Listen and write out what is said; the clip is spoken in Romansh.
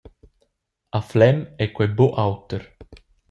A Flem ei quei buc auter.